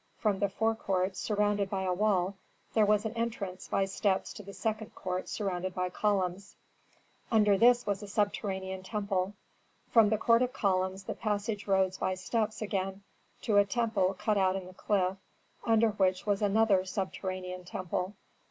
From the forecourt, surrounded by a wall, there was an entrance by steps to the second court surrounded by columns; under this was a subterranean temple. From the court of columns the passage rose by steps again to a temple cut out in the cliff under which was another subterranean temple.